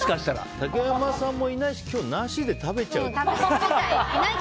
竹山さんもいないし今日、なしで食べちゃう？